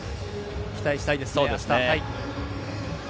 期待したいですね。